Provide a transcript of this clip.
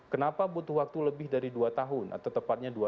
kenapa butuh waktu lebih dari dua tahun atau tepatnya dua tahun sebelas bulan